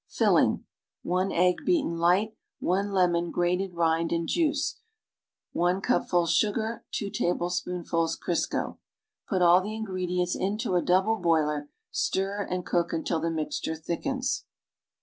FILLING 1 egg, beaten light 1 cupful sugar 1 lemon, grated rind and juice 2 tablespoonfuls Crisco Put all the ingredients into a double boiler; stir and cook until the mixture thickens.